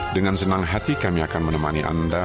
dengan senang hati kami akan menemani anda